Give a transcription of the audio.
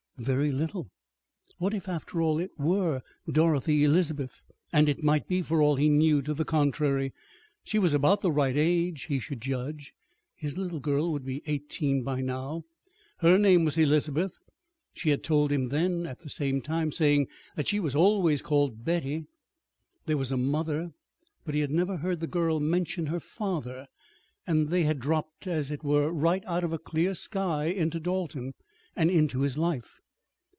Very little. What if, after all, it were Dorothy Elizabeth? And it might be, for all he knew to the contrary. She was about the right age, he should judge his little girl would be eighteen by now. Her name was Elizabeth; she had told him that, at the same time saying that she was always called "Betty." There was a mother but he had never heard the girl mention her father. And they had dropped, as it were, right out of a clear sky into Dalton, and into his life.